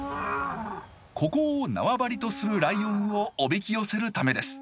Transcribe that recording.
ここを縄張りとするライオンをおびき寄せるためです。